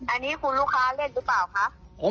อันนี้คุณลูกค้าเล่นหรือเปล่าคะ